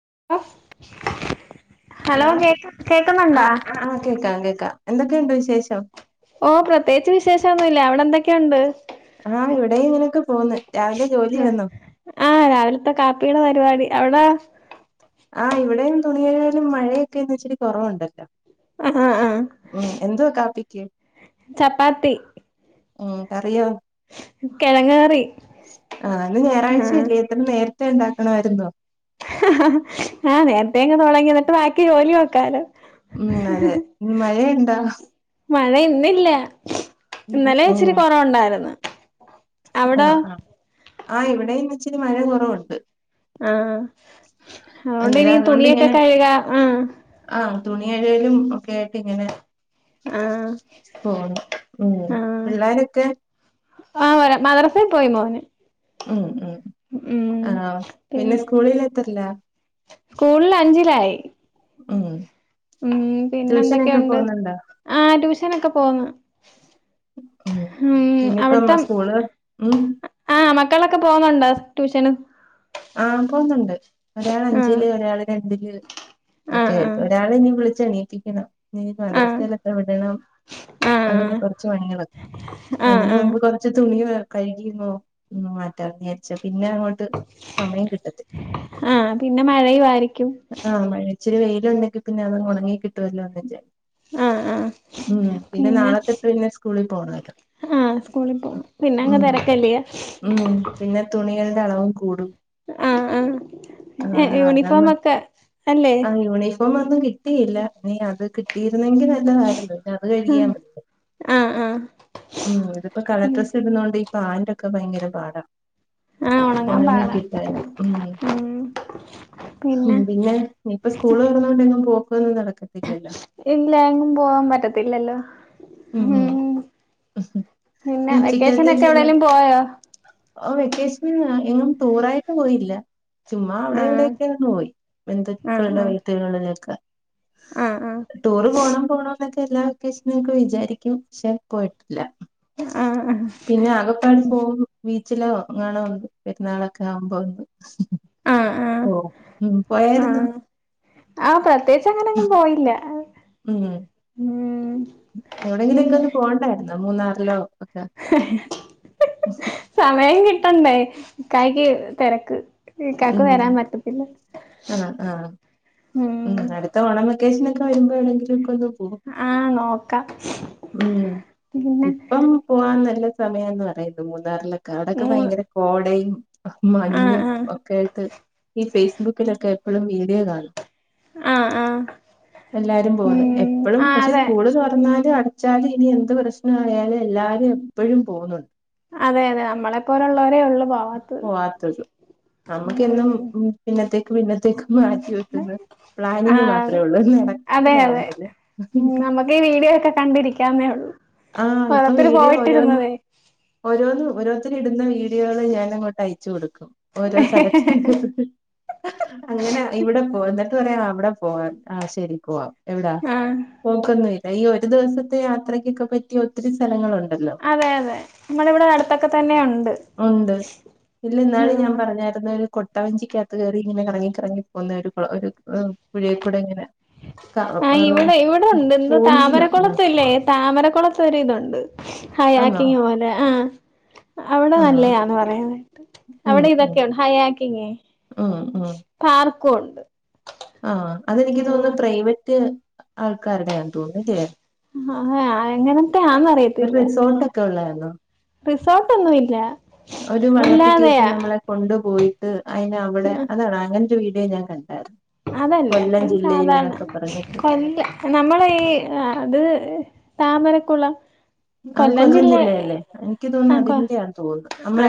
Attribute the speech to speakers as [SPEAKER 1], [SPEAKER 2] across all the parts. [SPEAKER 1] [inaudible]
[SPEAKER 2] Hello
[SPEAKER 1] കേക്ക് കേക്കുന്നുണ്ടാ
[SPEAKER 2] ആഹ് ആ കേക്കാം കേക്കാം എന്തൊക്കെയുണ്ട് വിശേ
[SPEAKER 1] ഓ പ്രത്യേകിച്ച് വിശേഷ ഷ ഒന്നൂല്ല. അവിടെ എന്തൊക്കെയുണ്ട്
[SPEAKER 2] ആ. ഇവിടേം ഇങ്ങനൊക്കെ പോന്ന് രാവിലെ ജോലി വന്നോ
[SPEAKER 1] ആ രാവിലത്തെ കാപ്പീടെ പരിപാടി എവിടാ
[SPEAKER 2] ആ ഇവിടേം തുണി കഴുകാലും മഴയൊക്കെന്ന് ഇച്ചരി കുറവുണ്ടല്ലോ
[SPEAKER 1] ആ ആ ആ
[SPEAKER 2] ക്ക്
[SPEAKER 1] ചപ്പാത്തി
[SPEAKER 2] ഉം കറിയോ
[SPEAKER 1] കിഴങ്ങ് കറി
[SPEAKER 2] ആ ഇന്ന് ഞായറാഴ്ചയില്ലയോ ഇത്ര നേരത്തേ എന്താ ആണായിരുന്നോ
[SPEAKER 1] ആ നേരത്തങ്ങ് തുടങ്ങി എന്നിട്ട് ബാക്കി ജോലി നോക്കാലോ
[SPEAKER 2] ഉം മഴയാ മഴയിണ്ടോ
[SPEAKER 1] മഴ ഇന്നില്ല ഇന്നലെ
[SPEAKER 2] ഉം
[SPEAKER 1] ഇച്ചിരി കുറവുണ്ടായിരുന്നു
[SPEAKER 2] ആ
[SPEAKER 1] അവിടോ
[SPEAKER 2] ആ ആ ഇവിടേം ഇച്ചിരി മഴ കുറവുണ്ട്
[SPEAKER 1] ആ അവിടെ
[SPEAKER 2] അന്നേരം
[SPEAKER 1] ഇനി
[SPEAKER 2] അതുകൊണ്ട്
[SPEAKER 1] തുണിയൊക്കെ
[SPEAKER 2] ഇങ്ങനെ
[SPEAKER 1] കഴുകാം. ആ
[SPEAKER 2] ആ തുണി കഴുകലും ഒക്കെ ആയിട്ട് ഇങ്ങനെ
[SPEAKER 1] ആഹ്
[SPEAKER 2] പോന്നു ഉം പിള്ളാരൊക്കെ
[SPEAKER 1] ആ വരാ മദ്രാസൽ പോയി മോന്
[SPEAKER 2] ഉം ഉം
[SPEAKER 1] ഉം
[SPEAKER 2] ആ പിന്നെ സ്കൂളിൽ എത്രയില്ല
[SPEAKER 1] സ്കൂളിൽ അഞ്ചിലായി
[SPEAKER 2] ഉം
[SPEAKER 1] ഉം പിന്നെ
[SPEAKER 2] ട്യൂഷനൊക്കെ
[SPEAKER 1] എന്തൊക്കെയുണ്ട് ആ ട്യൂഷനൊക്കെ പോന്ന്
[SPEAKER 2] ഉം പിന്നിപ്പ എന്നാ സ്കൂള് ഉം
[SPEAKER 1] ട്ടിയളൊക്കെ പോന്നുണ്ടോ ട്യൂഷന്
[SPEAKER 2] ആ പോന്നുണ്ട് ഒരാള്
[SPEAKER 1] ആഹ്
[SPEAKER 2] അഞ്ചില് ഒരാള് രണ്ടില്
[SPEAKER 1] ആഹ്
[SPEAKER 2] [unintelligible] ഒരാളിനി പ്ലസ് ച്ച് ഇണീപ്പിക്കണം ഇന്നിനി
[SPEAKER 1] ആഹ്
[SPEAKER 2] മദരസേലൊക്കെ വിടണം
[SPEAKER 1] ആഹ് ആഹ്
[SPEAKER 2] അങ്ങനെ കൊറച്ച് പണികളൊക്കെ
[SPEAKER 1] ആഹ് ആഹ്
[SPEAKER 2] അതിന്
[SPEAKER 1] ആഹ്
[SPEAKER 2] മുമ്പ് കൊറച്ച് തുണിക കഴുകിന്നോ ഒന്ന് മാറ്റാന്ന് വിചാരിച്ചു പിന്നെ അങ്ങോട്ട് സമയം കിട്ടത്തില്ല
[SPEAKER 1] ആ പിന്നെ മഴയുവാരിക്കും
[SPEAKER 2] ഇച്ചരി വെയിലുണ്ടെങ്കി പിന്നെ അതങ്ങ് ഉണങ്ങി കിട്ടുവല്ലോന്ന് വിചാ
[SPEAKER 1] ആഹ് ആഹ്
[SPEAKER 2] ഉം പിന്നെ നാളെത്തെട്ട് പിന്നെ സ്കൂളിൽ പോണവല്ലോ
[SPEAKER 1] ആഹ് സ്കൂളിൽ പോണം പിന്നെ അങ്ങ്
[SPEAKER 2] ഉം
[SPEAKER 1] തിരക്കല്ലിയോ
[SPEAKER 2] ഉം പിന്നെ തുണികഴുകൽ രളവും കൂടും
[SPEAKER 1] ആ ആ ഏ
[SPEAKER 2] ആഹ്
[SPEAKER 1] എ
[SPEAKER 2] അതന്ന്
[SPEAKER 1] യൂണിഫോമൊക്കെ അല്ലേ
[SPEAKER 2] ന്നും കിട്ടിയില്ല ഇനി അത് കിട്ടി രുന്നെങ്കി നല്ലതായിരുന്നു പിന്ന അത് കഴുകിയ
[SPEAKER 1] ആഹ്
[SPEAKER 2] മതിയാരുന്നു.
[SPEAKER 1] ആഹ് ആഹ്
[SPEAKER 2] ഇം ഇതിപ്പോ കളർ ഡ്രസ്സ് ഇടുന്നോണ്ടി പാന്റെക്കെ ഭയങ്കര പാടാ
[SPEAKER 1] ആഹ് ഉണങ്ങാൻ
[SPEAKER 2] ഒണങ്ങി
[SPEAKER 1] പാടാ
[SPEAKER 2] കിട്ടാന് ഉം
[SPEAKER 1] ഉം
[SPEAKER 2] ഉം പിന്നെ ഇനിപ്പ സ്കൂള് തുറന്നോണ്ട് എങ്ങും പോക്ക്‌ ഒന്നും നടക്ക്
[SPEAKER 1] ഇല്ല എങ്ങും പോവാൻ പറ്റത്തില്ലല്ലോ ഉം പിന്നെ വെക്കേഷനോക്കെ
[SPEAKER 2] ഉച്ചക്കത്തേക്കല്ല
[SPEAKER 1] എവിടെലും പോയോ
[SPEAKER 2] ഓ വെക്കേഷന് എങ്ങും ടൂറായിട്ട് പോയില്ല ചുമ്മാ അവിടെ
[SPEAKER 1] ആഹ്
[SPEAKER 2] ഇവിടെയോക്കൊ ഒന്ന് പോയി
[SPEAKER 1] ആഹ്
[SPEAKER 2] ബന്ധുക്കൾടെ
[SPEAKER 1] ആഹ്
[SPEAKER 2] വീട്ടുകളിലൊക്കെ
[SPEAKER 1] ആഹ്
[SPEAKER 2] ടൂറ് പോണം പോണം നോക്കെ എല്ലാ വെക്കേഷനൊക്കെ വിരു - വിചാരിക്കും പക്ഷെ പോയിട്ടില്ല
[SPEAKER 1] ആഹ് ആഹ് ആഹ്
[SPEAKER 2] പിന്നെ ആകപ്പാട്
[SPEAKER 1] ഉം
[SPEAKER 2] പോവും ബീ- ചിലോ ങ്ങണും പെരുന്നാളൊക്കെ ആവുമ്പോ വന്ന്
[SPEAKER 1] ആഹ് ആഹ്
[SPEAKER 2] ഓ ഉം പോയാരുന്നു
[SPEAKER 1] ആ പ- പ്രത്യേകിച്ച് അങ്ങന അങ്ങും പോയില്ല
[SPEAKER 2] ഉം.
[SPEAKER 1] ഉം ഉം
[SPEAKER 2] ന്നാ മൂന്നാർലോ
[SPEAKER 1] സമയം കി ട്ടണ്ടേ ഇക്കായിക്ക് തെരക്ക്. ഇക്കാക്ക്
[SPEAKER 2] ഉം
[SPEAKER 1] വരാൻ പറ്റത്തില്ല
[SPEAKER 2] അ ആ ഉം അടുത്ത ഓണം വ വെക്കേഷനൊക്കെ വരുമ്പോ എ വിടെങ്കിലും ഒക്കെ ഒന്നു
[SPEAKER 1] ആ നോ ക്ക
[SPEAKER 2] ഉം ഇപ്പം പോവാൻ നല്ല സമയാന്ന് പറയുന്ന് മൂന്നാറില്.
[SPEAKER 1] മൂ
[SPEAKER 2] അവിടൊക്കെ ഭയങ്കര കോടയും
[SPEAKER 1] ആഹ്
[SPEAKER 2] മഞ്ഞും
[SPEAKER 1] ആഹ്
[SPEAKER 2] ഒക്കെ ആയിട്ട് ഈ ഫേസ്ബുക്കിലൊക്കെ. എപ്പഴും വീഡിയോ കാണും.
[SPEAKER 1] ആ ആ
[SPEAKER 2] എല്ലാരും പോന്ന് എപ്പളും പക്ഷെ
[SPEAKER 1] അതെ
[SPEAKER 2] കൂടെ ചോറ്ന്നാ ഇത് അടച്ചാല് ഇനി എന്ത് പ്രശ്ന ആയാലും എല്ലാരും എപ്പഴും പോവു ന്നുണ്ട്.
[SPEAKER 1] അതെ അതെ നമ്മളെ പോലുള്ള
[SPEAKER 2] പോവാത്തൊത് നമ്മുക്ക് എന്നും
[SPEAKER 1] ഉം
[SPEAKER 2] പിന്നത്തെ ക്ക് പിന്നെ തെക്ക് മാറ്റി വെക്കുന്ന്
[SPEAKER 1] ആ
[SPEAKER 2] പ്ലാനിങ് മാത്രേ
[SPEAKER 1] അതെ
[SPEAKER 2] ഉള്ളൂ
[SPEAKER 1] അതെ അതെ
[SPEAKER 2] നടപ്പിലാവുന്നില്ല
[SPEAKER 1] ഉം നമുക്ക് ഈ വീഡിയോ ഒക്കെ കണ്ടിരിക്കാവുന്നേ ഉള്ളൂ
[SPEAKER 2] ആ ഇപ്പ
[SPEAKER 1] ഓരോരുത്തര്
[SPEAKER 2] വീഡിയോ ഓരോന്ന്
[SPEAKER 1] പോയിട്ടിരുന്നതേ
[SPEAKER 2] ഓരോന്നും ഓരോരുത്തര് ഇടുന്ന വീഡിയോ ഞാനങ്ങോട്ട അയച്ചു കൊക്കും ഓരോ സ്ഥലത്തിന്റെത് അങ്ങനെ ഇവിടെ ഓ എന്നിട്ട് പറയാ അവിടെ പോവാൻ ആഹ് ശരി പോവാ എവിടാ
[SPEAKER 1] ആ
[SPEAKER 2] പോക്കൊന്നുല്ല ഈ ഒ ഒരു ദിവസത്തെ യാത്രക്കൊക്കെ പറ്റി ഒത്തിരി സ്ഥലങ്ങളുണ്ട്
[SPEAKER 1] അതെ അതെ നമ്മള് ഇവിടെ അടുത്തൊക്കെ തന്നെ ഉണ്ട്
[SPEAKER 2] ഉണ്ട് ഇല്ല ഇന്നാൾ
[SPEAKER 1] ഉം
[SPEAKER 2] ഞാൻ പറഞ്ഞായിരുന്നു കൊട്ടവഞ്ചിക്കകത്ത് കയറി ഇങ്ങനെ കറങ്ങിക്കറങ്ങി പോകുന്ന ഒരു ഒരു പുഴൽക്കൂടെ ഇങ്ങനെ ക
[SPEAKER 1] ആ
[SPEAKER 2] റോ
[SPEAKER 1] ഇവിടെ ഇവിടെ ഉണ്ട് എന്ത
[SPEAKER 2] പോന്നീലോ അങ്ങനെ
[SPEAKER 1] താമരക്കുളത്തല്ലേ താമരക്കുളത്ത് ഒരു ഇതുണ്ട്
[SPEAKER 2] ആന്നോ
[SPEAKER 1] ഹൈയാകിങ് പോലെ ആഹ് അവിടെ
[SPEAKER 2] ആഹ്
[SPEAKER 1] നല്ലയാന്ന്‌ പറയന്നകേട്ട്
[SPEAKER 2] ഉം
[SPEAKER 1] അവിടെ
[SPEAKER 2] ഉം
[SPEAKER 1] ഇതൊക്കെയൊണ്ടോ ഹൈയാക്കിങ്ങ്
[SPEAKER 2] ഉം ഉം
[SPEAKER 1] ക്കും ഒണ്ട്
[SPEAKER 2] ആഹ് അതെനിക്ക് തോന്നുന്നു പ്രൈവറ്റ് ആൾക്കാരടെയാന്ന് തോന്നുന്നു ഇല്ലയോ
[SPEAKER 1] ആ എങ്ങനത്തെയാന്ന് അറിയത്തില്ല
[SPEAKER 2] കൊള്ളായിരുന്നോ
[SPEAKER 1] റിസോർട്ട് ഒന്നുമില്ല
[SPEAKER 2] അവര് വെള്ളത്തിൽ കേറ്റി നമ്മളെ കൊണ്ടു പോയിട്ട് അതിന് അവിടെ അതാണ് അങ്ങനെ [unintelligible] [unintelligible] ഞാൻ കണ്ടാരന്ന്‌
[SPEAKER 1] അതല്ല ഇത് സാധാരണ
[SPEAKER 2] പറഞ്ഞിട്ട്
[SPEAKER 1] കൊല്ലം നമ്മളെ ഈ അത് താമരക്കുളം
[SPEAKER 2] അത് കൊല്ലം ജില്ലയല്ലേ എനിക്ക് തോന്നന്നു
[SPEAKER 1] ആ കൊ
[SPEAKER 2] അതിന്റെയാണ് തോന്നന്നു നമ്മളെ
[SPEAKER 1] ആ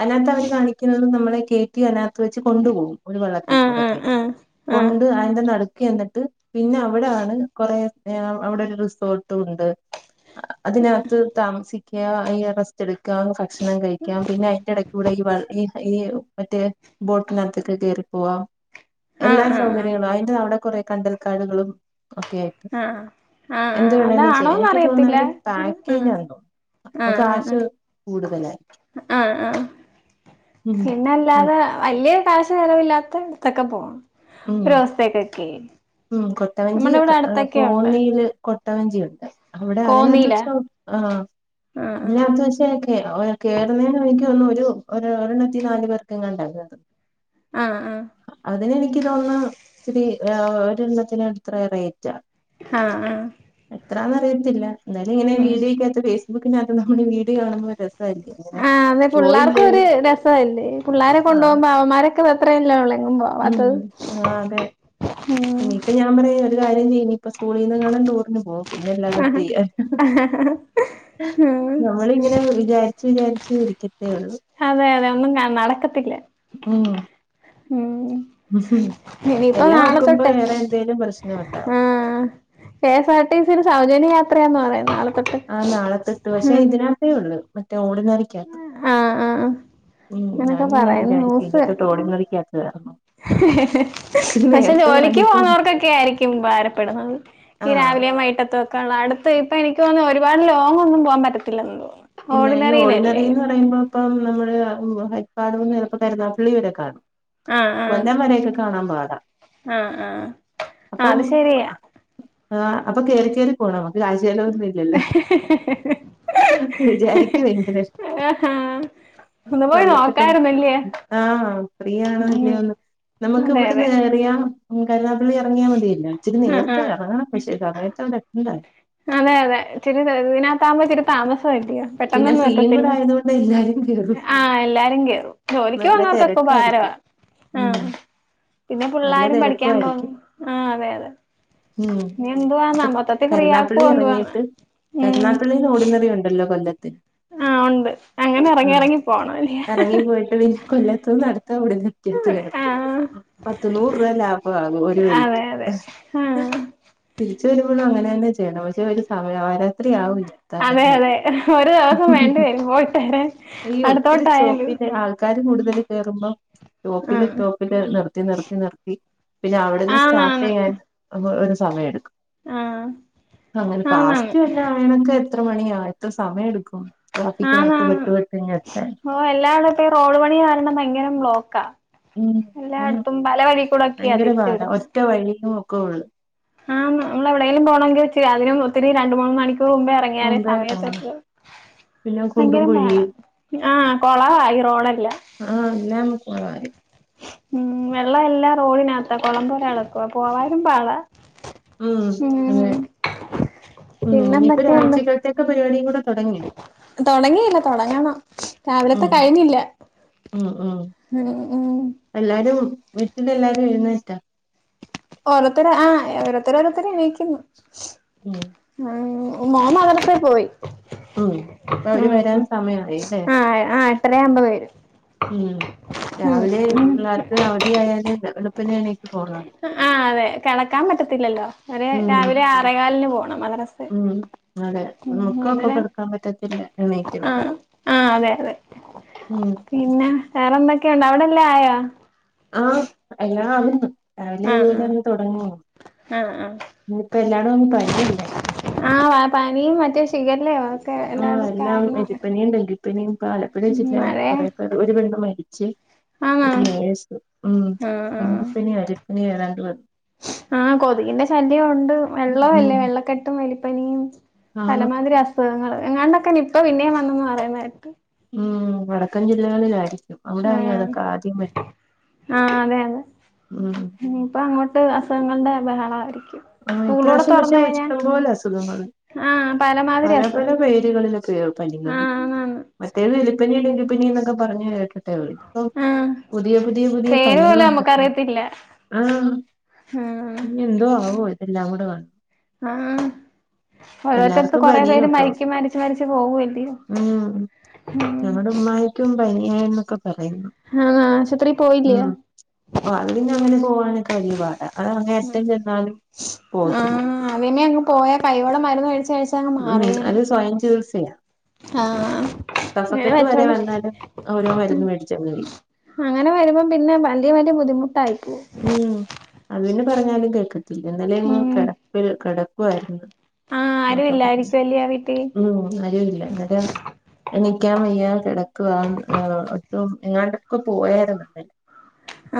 [SPEAKER 2] അതിനകത്ത് അവര് കാണിക്കുന്നത് നമ്മളെ കേറ്റി അതിനക കത്ത് വെച്ച് കൊണ്ടു പോകും ഒരു വെള്ളത്തിൽ
[SPEAKER 1] ആ
[SPEAKER 2] കൂടെ
[SPEAKER 1] ആ ആ
[SPEAKER 2] കേറ്റി
[SPEAKER 1] ആ ആ
[SPEAKER 2] കൊണ്ട് അതിന്റെ നടുക്ക്‌ ചെന്നിട്ട് പിന്നെ അവിടാണ് കൊറേ അവിടൊരു റിസോർട്ടും ഉണ്ട് അതിനകത്ത് താമസി ക്കാം അല്ലെങ്കി റസ്റ്റ് എടുക്കാം ഭക്ഷണം കഴിക്കാം പിന്നെ അതിന്റെ എടെക്ക് കൂടെ ഈ വ ഈ ഈ മറ്റേ ബോട്ടിനകത്ത് യൊക്കെ കേറിപ്പോവാം
[SPEAKER 1] ആ
[SPEAKER 2] എല്ലാ
[SPEAKER 1] ആ
[SPEAKER 2] സൗകര്യങ്ങളും അതിന്റെ അവിടെ കൊറേ കണ്ടൽക്കാടുകളും ഒക്കെ ആയിട്ട്
[SPEAKER 1] ആ ആ ആ
[SPEAKER 2] എന്ത് വേണേലും ചെയ്യാം എനിക്ക്
[SPEAKER 1] അതാണോന്നറി
[SPEAKER 2] തോന്നുന്ന
[SPEAKER 1] യത്തില്ല
[SPEAKER 2] ഒരു പാക്കേജ് ഒണ്ടോ അപ്പം കാശ് കൂടുതലായിരിക്കും
[SPEAKER 1] ആ ആ
[SPEAKER 2] ഉം
[SPEAKER 1] പിന്നെ
[SPEAKER 2] [unintelligible]
[SPEAKER 1] അല്ലാതെ വലിയ കാശ് ചെലവില്ലാത്തഅ ടുത്തൊക്കെ പോകാം
[SPEAKER 2] ഉം
[SPEAKER 1] ഒരു ദോസത്തേക്കൊക്കെയെ
[SPEAKER 2] ഉം കൊട്ടവഞ്ചി ക കോന്നില് കൊട്ട കൊട്ട വഞ്ചിയുണ്ട് അവിടെ അതിനകത്ത്
[SPEAKER 1] കോന്നിയിലാ
[SPEAKER 2] വെച്ച [unintelligible] ആ
[SPEAKER 1] ആഹ്
[SPEAKER 2] അതിനകത്ത് വച്ചേ [unintelligible] കേറുന്നതിനു വലി എനിക്ക് തോന്നുന്നു ഒരു ഒരെണ്ണത്തില് നാല് പേർക്ക് അ ങ്ങാണ്ട കേറുന്നത്
[SPEAKER 1] ആ ആ
[SPEAKER 2] [unintelligible] എനിക്ക് തോന്നുന്ന് ഇത്തിരി ഒരെണ്ണത്തിന് അത്ര റേറ്റ
[SPEAKER 1] ആ ആ
[SPEAKER 2] എത്രന്നറിയത്തില്ല ഇന്നലെ ഇങ്ങനെ വീഡിയോ കാത്ത് ഫേസ് [unintelligible] വീഡിയോ കാണുമ്പോ ഒരു ര
[SPEAKER 1] ആ അത് പിള്ളേർക്ക് ഒരു രസവല്ലേ പിള്ളേരെ
[SPEAKER 2] ആഹ്
[SPEAKER 1] കൊണ്ടുപോകുമ്പോ അവന്മാരൊക്കെ അത്രല്ലള്ളൂ
[SPEAKER 2] ഉം ആ അതെ
[SPEAKER 1] ഉം
[SPEAKER 2] ഇനിപ്പ ഞാൻ പറയാ ഒരു കാര്യം ചെയ്യ് ഇനി ഇപ്പൊ സ്കൂളീന്ന് എങ്ങാണം ടൂറിന് പോ പിന്നെല്ലാത എന്ത് ചെയ്യാനാ
[SPEAKER 1] ഉം
[SPEAKER 2] നമ്മളിങ്ങനെ വിചാരിച്ചു വിചാരിച്ച് ക്ക
[SPEAKER 1] അതെ അതെ ഒന്നും കാ നടക്കത്തില്ല
[SPEAKER 2] ഉം
[SPEAKER 1] ഉം ഇനിയിപ്പ
[SPEAKER 2] എല്ലാം ഒക്കുമ്പോ
[SPEAKER 1] നാളത്തൊട്ട്
[SPEAKER 2] വേറെ എന്തേലും പ്രശ്നം ഉണ്ടാവും
[SPEAKER 1] ആ കെഎസ് ആർ ടി സി യിൽ സൗജന്യയാത്ര എത്രയാന്ന് പറയുന്ന് നാളെ തൊട്ട്
[SPEAKER 2] ആ നാളെത്തെട്ട് പക്ഷേ
[SPEAKER 1] ഉം
[SPEAKER 2] ഇതിനാത്തേ ഉള്ളു മറ്റേ ഓർ ഓർഡിനറികാത്ത്
[SPEAKER 1] ആഹ് ആഹ് അങ്ങനൊക്കെ
[SPEAKER 2] ഞാനിങ്ങനെ
[SPEAKER 1] പറയുന്നു
[SPEAKER 2] വിചാരിക്കുവാ ഇനി തൊട്ട്
[SPEAKER 1] ന്യൂസ്
[SPEAKER 2] ഓർഡിനറിക്കാത്ത് കേറണം ഇച്ചിരി
[SPEAKER 1] പക്ഷെ
[SPEAKER 2] നേരത്തെ
[SPEAKER 1] ജോലിക്ക്
[SPEAKER 2] ഇറങ്ങിക്കൊണ്ട്
[SPEAKER 1] പോകുന്നവർക്കൊക്കെ ആയിരിക്കും ഉപകാരപ്പെടുന്നത് ഈ
[SPEAKER 2] ആഹ്
[SPEAKER 1] രാവിലെയും വൈകിട്ടത്തൊക്കെയുള്ള അടുത്ത് ഇപ്പൊ എനിക്ക് തോനുന്നു ഒരുപാട് ലോങ് ഒന്നും പോകാൻ പറ്റത്തില്ലന്ന് തോനുന്നു
[SPEAKER 2] ഇല്ല ഈ ഓർടിനറിന്ന് പറയുമ്പോ ഇപ്പം നമ്മള് പാടൂന്ന് ചിലപ്പോ കരുനാപ്പള്ളി വരെ കാണും
[SPEAKER 1] ആഹ് ആഹ്
[SPEAKER 2] കൊല്ലം വരയൊക്കെ കാണാൻ പാടാ
[SPEAKER 1] ആഹ് ആഹ് ആഹ്
[SPEAKER 2] അപ്പം
[SPEAKER 1] അത് ശരിയാ
[SPEAKER 2] അപ്പൊ കേറി കേറി പോണോ [unintelligible] [unintelligible] ലൊന്നുംല്ലല്ലോ
[SPEAKER 1] ആഹാ
[SPEAKER 2] [unintelligible]
[SPEAKER 1] ഒന്ന് പോയി
[SPEAKER 2] കൊല്ലത്തക്കെ
[SPEAKER 1] നോക്കായിരുന്നല്ലേ
[SPEAKER 2] ആ ഫ്രീ ആണോ
[SPEAKER 1] ഉം
[SPEAKER 2] അല്ലിയോന്ന് നമുക്ക്
[SPEAKER 1] അതെ
[SPEAKER 2] ഇവിടുന്ന്
[SPEAKER 1] അതെ
[SPEAKER 2] കേറിയ കരുനാ പള്ളി ഇറങ്ങിയമതിയല്ലോ ഇച്ചിരി
[SPEAKER 1] ആഹ്
[SPEAKER 2] നേരത്തെ
[SPEAKER 1] ആഹ്
[SPEAKER 2] ഇറങ്ങണം പക്ഷേ സമയത്ത് അവിടെ എത്തണ്ടായോ
[SPEAKER 1] അതെ അതെ ഇച്ചിരി ഇതിനകത്താവുമ്പോ ഇച്ചിരി താമസി [unintelligible]
[SPEAKER 2] പിന്നെ
[SPEAKER 1] പെട്ടെന്നൊന്നും
[SPEAKER 2] ഫ്രീയും കൂടെ
[SPEAKER 1] എത്തത്തില്ല
[SPEAKER 2] ആയതുകൊണ്ട് എല്ലാരും കേറും
[SPEAKER 1] ആ എല്ലാരും കേറും ജോലിക്ക്
[SPEAKER 2] നല്ല
[SPEAKER 1] പോന്നവർക്കൊക്കെ ഉപകാരവാ
[SPEAKER 2] തിരക്കായിരിക്കും
[SPEAKER 1] ആ
[SPEAKER 2] ഉം
[SPEAKER 1] പിന്നെ
[SPEAKER 2] നല്ല
[SPEAKER 1] പിള്ളാരും
[SPEAKER 2] തിരക്കും
[SPEAKER 1] പഠിക്കാൻ പോകും
[SPEAKER 2] ആയിരിക്കും
[SPEAKER 1] ആ അതെ അതെ ഇനി എന്തുവാന്ന മൊത്തത്തി ഫ്രീയാ
[SPEAKER 2] പള്ളി ഇറങ്ങിട്ട് കരുനാപ്പള്ളിന്ന് ഓർഡിനറി ഉണ്ടല്ലോ കൊല്ല
[SPEAKER 1] ആ ഉണ്ട് അങ്ങനെ എറങ്ങി എറങ്ങി പോണം
[SPEAKER 2] കൊല്ലത്തൂന്ന് നട അവിടെ [unintelligible]
[SPEAKER 1] ആഹ്
[SPEAKER 2] പത്ത് നൂറ് രൂപ ലാഭ ആകും ഒരു വഴിക്ക്
[SPEAKER 1] അതെ അതെ ആഹ്
[SPEAKER 2] [unintelligible] അങ്ങനെ തന്നെ ചെയ്യണം പക്ഷെ ഒരെ ഒരു [unintelligible]
[SPEAKER 1] അതെ
[SPEAKER 2] എത്താനെന്നേ ഉള്ളൂ.
[SPEAKER 1] അതെ ഒരു ദിവസം വേണ്ടി വരും പോയിട്ടരെ അടുത്തോട്ടായാലും
[SPEAKER 2] [unintelligible] കൂടുതല് കേറുമ്പോ ടോപ്പില്
[SPEAKER 1] ആഹ്
[SPEAKER 2] ടോപ്പില് നിർത്തി നിർത്തി നിർത്തി പിന്നെ അവിടെന്ന് സ്റ്റാർട്ട്
[SPEAKER 1] ആന്നാന്ന്
[SPEAKER 2] ചെയ്യാൻ ഒര് സമയ എട്ക്കും
[SPEAKER 1] ആഹ്
[SPEAKER 2] അങ്ങനെ
[SPEAKER 1] ആന്നാന്ന്
[SPEAKER 2] പാസ്റ്റ് എല്ലാം ആയണൊക്കെ എത്ര മണിയാ എത്ര സമയം എട്ക്കും ട്രാഫിക്കിനകത്ത്
[SPEAKER 1] ആന്നാന്ന്
[SPEAKER 2] വെട്ടുവെട്ട് ഇങ്ങെത്താൻ
[SPEAKER 1] ഓ എല്ലായിടും റോഡ് പണികാരണം ഭയങ്കരം ബ്ലോക്കാ
[SPEAKER 2] ഉം ഉം
[SPEAKER 1] എല്ലാടുത്തും പലവഴി
[SPEAKER 2] ഭയങ്കര പാടാ ഒറ്റ വഴിയും കോള്
[SPEAKER 1] ആന്ന് നമ്മള് എവിടെങ്കിലും പോണെങ്കി ച്ച അതിനും ഒത്തിരി രണ്ട് മൂന്ന് മണിക്കു കുമ്പേ ഇറങ്ങിയാലെ
[SPEAKER 2] മുമ്പേ ഇറങ്ങണം
[SPEAKER 1] സമയതെത്തുള്ളു
[SPEAKER 2] പിന്നെ കുണ്ടും
[SPEAKER 1] ഭയങ്കരം പാടാ
[SPEAKER 2] കുഴിയും
[SPEAKER 1] ആ കൊളവ ഈറോഡെ
[SPEAKER 2] ആ അല്ലെ മുത് [unintelligible]
[SPEAKER 1] ഉം വെള്ളം എല്ലാം റോടിനാത്താ കൊളമ്പോലെ കെടക്കുവാ പോവാനും പാടാ
[SPEAKER 2] ഉം അതെ
[SPEAKER 1] ഉം
[SPEAKER 2] ഉം ഇപ്പൊ രാവ്‌
[SPEAKER 1] പിന്നെന്തൊക്കെയുണ്ട്
[SPEAKER 2] ഉച്ചക്കൽത്തെ പരിപാടിയും കൂടെ തുടങ്ങി
[SPEAKER 1] തൊടങ്ങിയില്ല തൊടങ്ങണം രാവിലത്തെ
[SPEAKER 2] ഉം
[SPEAKER 1] കഴിഞ്ഞില്ല ഉം ഉം
[SPEAKER 2] വീട്ടില് എല്ലാരും എഴുന്നേറ്റാ
[SPEAKER 1] ഓരോത്തര് ആ ഓരോ ഓരോത്തര് ഓരോത്തര് എണീക്കുന്നു
[SPEAKER 2] ഉം
[SPEAKER 1] ആ മോൻ മദ്രസേ പോയി
[SPEAKER 2] ഉം ഇപ്പൊ അവര്
[SPEAKER 1] ഉം
[SPEAKER 2] വരാൻ
[SPEAKER 1] ഉം
[SPEAKER 2] സമയമായി ല്ലേ
[SPEAKER 1] ആഹ് ആഹ് എട്ടരയാവുമ്പോ വരും
[SPEAKER 2] ഉം
[SPEAKER 1] ഉം
[SPEAKER 2] രാവിലെ പിള്ളേർക്ക് അവധിയായാല് വെളുപ്പിനെ എണ്ണീറ്റ് പോണം
[SPEAKER 1] ആ അതെ കെടക്കാൻ പറ്റത്തില്ലല്ലോ ഒരെ
[SPEAKER 2] ഉം
[SPEAKER 1] രാവിലെ ആറേ കാലിന് പോൺ മദ്രസെ
[SPEAKER 2] ഉം അതെ
[SPEAKER 1] ഉം
[SPEAKER 2] നമുക്കും അപ്പൊ
[SPEAKER 1] അങ്ങനെ
[SPEAKER 2] കിടക്കാൻ പറ്റത്തില്ല എണീറ്റില്ല
[SPEAKER 1] ആ ആ അതെ അതെ
[SPEAKER 2] ഉം
[SPEAKER 1] പിന്നെ വേറെന്തൊക്കെയുണ്ട് അവിടെല്ലാം ആയാ
[SPEAKER 2] ആഹ് എല്ലാ ആകുന്ന് രാവിലെ
[SPEAKER 1] ആഹ്
[SPEAKER 2] [unintelligible] തൊടങ്ങി
[SPEAKER 1] ആഹ് ആഹ്
[SPEAKER 2] ഇനിപ്പ എല്ലാടും അങ്ങ് പനിയല്ലേ
[SPEAKER 1] ആഹ് ആഹ് പനിയും മറ്റേ ശിഖല്ലയോ ഒക്കെ
[SPEAKER 2] ആ
[SPEAKER 1] എല്ലായിടത്തും
[SPEAKER 2] എല്ലാം
[SPEAKER 1] ആയെന്ന് പറഞ്ഞു
[SPEAKER 2] എലിപ്പനിയും ഡെങ്കിപ്പനിയും ആലപ്പുഴ
[SPEAKER 1] ഉം
[SPEAKER 2] ജില്ല
[SPEAKER 1] മഴയാ
[SPEAKER 2] കൊറെ പേർ ഒരു പെണ്ണ് മരിച്ച്,
[SPEAKER 1] ആന്നോ
[SPEAKER 2] ഒരു നേഴ്‌സ് ഉം ഡെങ്കിപ്പനിയായിരു [unintelligible]
[SPEAKER 1] ആ കൊതുകിന്റെ ശല്യം ഉണ്ട് വെള്ളവും അല്ലേ
[SPEAKER 2] ഉം
[SPEAKER 1] വെള്ളക്കെട്ടും വലി പല
[SPEAKER 2] ആണ്
[SPEAKER 1] മാതിരി അസുഖങ്ങള് എങ്ങാണ്ടൊക്കെ നിപ്പ പിന്നേം വന്നൂന്ന് പറയുന്നേട്ട്
[SPEAKER 2] ഉം വടക്കൻ ജില്ലകളിലായിരി അവിടെ
[SPEAKER 1] ആഹ്
[SPEAKER 2] [unintelligible] ആദ്യം വരും
[SPEAKER 1] ആഹ് അതെ അതെ
[SPEAKER 2] ഉം
[SPEAKER 1] ങ്ങൾടെ ബഹളമായിരി
[SPEAKER 2] ആ ഇപ്രാവശ്യം പക്ഷേ ഇഷ്ടം പോലെ അസുഖങ്ങള്
[SPEAKER 1] ആഹ് പലമാതിരി
[SPEAKER 2] പല പല
[SPEAKER 1] അസുഖങ്ങൾ
[SPEAKER 2] പേരുകളില് പനികള്
[SPEAKER 1] ആഹ് ആന്നാന്ന്
[SPEAKER 2] മറ്റേത് എലിപ്പനി ഡെങ്കി പനിന്നൊക്ക പറഞ്ഞു കേട്ട് ഇതിപ്പോ
[SPEAKER 1] ആഹ്
[SPEAKER 2] പുതിയ പുതിയ പുതിയ
[SPEAKER 1] പേര് പോലും
[SPEAKER 2] പണികളാണ് [unintelligible]
[SPEAKER 1] നമുക്കറിയത്തില്ല
[SPEAKER 2] ആ
[SPEAKER 1] ആഹ്
[SPEAKER 2] ഇനി എന്തോ ആവോ നമ്മുടെ വ
[SPEAKER 1] ആഹ് ഒരറ്റത്ത്
[SPEAKER 2] എല്ലാർക്കും
[SPEAKER 1] കൊറെ പേര്
[SPEAKER 2] പനിയൊക്കെ
[SPEAKER 1] മരിക്ക് മരിച്ച് മരിച്ച് പോവല്ലിയോ
[SPEAKER 2] ഉം
[SPEAKER 1] ഉം
[SPEAKER 2] പനിയെന്നൊക്കെ
[SPEAKER 1] ആഹ് ആശുപത്രി പോയില്ലേ
[SPEAKER 2] അതിനൊക്കെ വല്ല്യ പാടാ അത് അങ്ങേ അറ്റം ചെന്നാലും പോവത്തില്ല
[SPEAKER 1] ആഹ് അതെന്നെ പോയ കൈയോളം മരുന്ന് കഴിച് ചങ്ങ്
[SPEAKER 2] ഉം
[SPEAKER 1] മാറിയേന
[SPEAKER 2] അത് സ്വയം ചികിത്സയാ
[SPEAKER 1] ആ അങ്ങനെ
[SPEAKER 2] കഫക്കെട്ട് വരെ
[SPEAKER 1] വെച്ചോണ്ടിരി
[SPEAKER 2] വന്നാലും ഓരോ മരുന്ന് മേടിച്ചങ്ങ് കഴിക്കും
[SPEAKER 1] അങ്ങനെ വരുമ്പോ പിന്നെ വലിയ വലിയ ബുദ്ധിമുട്ടായി പോവും
[SPEAKER 2] ഉം അതിന് പറഞ്ഞാലും കേൾക്ക ത്തില്ല ന്നാലും ഞങ്ങൾ
[SPEAKER 1] ഉം
[SPEAKER 2] കിടപ്പിൽ കിട വായിരുന്നു
[SPEAKER 1] ആഹ് ആരും
[SPEAKER 2] അതൊക്കെതന്നെ
[SPEAKER 1] ഇല്ലായിരിക്കുവല്ലേ ആ വീട്ടി
[SPEAKER 2] ഉം ആരുല്ല ന്നട്ടോ എനിക്കാൻ വയ്യാ കിടക്കവാ ഏ ഒട്ടും എങ്ങാണ്ടൊക്കെ പോയാരുന്നു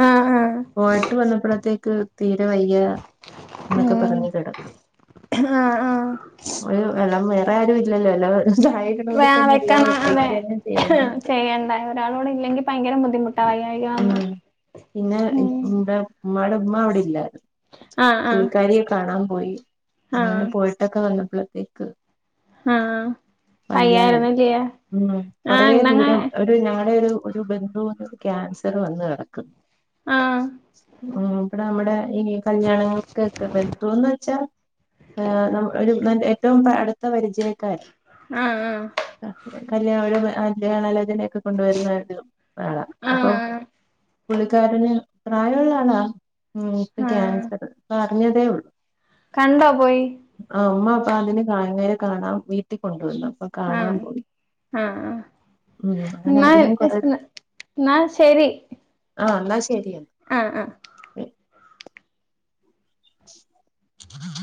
[SPEAKER 1] ആഹ് ആഹ്
[SPEAKER 2] പോയിട്ട് വന്നപ്പോഴത്തേക്ക് തീരെ വയ്യ എന്നൊക്കെ
[SPEAKER 1] ഉം
[SPEAKER 2] പറഞ്ഞ് കെടക്കും
[SPEAKER 1] ആഹ് ആഹ്
[SPEAKER 2] ഒരു വെള്ളം വേറെ ആരും ഇല്ലല്ലോ വ
[SPEAKER 1] വേ വെക്കാന അതെ
[SPEAKER 2] ചെയ്യേണ്ടത്
[SPEAKER 1] ചെയ്യേണ്ടായി ഒരാളോട് ഇല്ലെങ്കിൽ ഭയങ്കരം ബുദ്ധിമുട്ട വയ്യാ
[SPEAKER 2] ഉം പിന്നെ ഇടെ മ്മ മ്മള മ്മ അവിടെ ഇല്ലാ
[SPEAKER 1] ആഹ് ആഹ്
[SPEAKER 2] പുള്ളിക്കാരിയെ കാണാൻ പോയി അങ്ങനെ
[SPEAKER 1] ആഹ്
[SPEAKER 2] പോയിട്ടൊക്കെ വന്ന പ്പോത്തേക്ക്
[SPEAKER 1] ആഹ് പയ്യായിരുന്നില്ലേ
[SPEAKER 2] ഉം
[SPEAKER 1] ആ
[SPEAKER 2] കൊറേ
[SPEAKER 1] ന്നങ്ങ
[SPEAKER 2] ദൂരം ഒരു ഞങ്ങളുടെ ഒരു ഒരു ബന്ധുന്ന് ക്യാൻസർ വന്ന് കിടക്കുന്നു
[SPEAKER 1] ആഹ്
[SPEAKER 2] ഉം ഇവടെ നമ്മടെ ഏ കല്യാണ [unintelligible] ബന്ധുന്ന് വെച്ചാ നമ്മ ഒര് ഇമ്മൻ്റെ ഏറ്റവും അടുത്ത പരിചയക്കാര
[SPEAKER 1] ആ ആ
[SPEAKER 2] കല്ല്യണ ഒരു കല്ല്യാണു ആലോചനൊക്കെ കൊണ്ടുവരുന്നൊരു ആള അപ്പൊ
[SPEAKER 1] ആഹ്
[SPEAKER 2] പുള്ളിക്കാരന് പ്രായമുള്ള ആളാ ഉം ഇപ്പൊ
[SPEAKER 1] ആഹ്
[SPEAKER 2] ക്യാൻസർ പ്പ അറിഞ്ഞതേ ഉള്ളു
[SPEAKER 1] കണ്ടോ പോയി
[SPEAKER 2] അപ്പൊ അതിന് കായങ്ങര കാണാം വീട്ടിൽ കൊണ്ടുവന്ന
[SPEAKER 1] ആഹ് ആഹ്
[SPEAKER 2] ഉം അങ്ങനെ
[SPEAKER 1] ന്നാ
[SPEAKER 2] അതിനും കൊറെ
[SPEAKER 1] ന്നാ ശരി
[SPEAKER 2] ആഹ് ന്നാ ശ ശരി
[SPEAKER 1] ആഹ് ആഹ്
[SPEAKER 2] [unintelligible] [inaudible] [unintelligible]
[SPEAKER 1] ി [inaudible] [unintelligible]